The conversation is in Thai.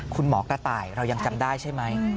คุณหมอกระต่ายเรายังจำได้ใช่ไหม